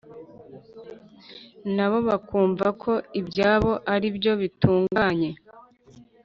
na bo bakumva ko ibyabo ari byo bitunganye.